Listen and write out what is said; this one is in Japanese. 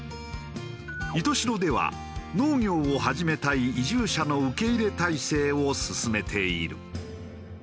石徹白では農業を始めたい移住者の受け入れ態勢を進めている。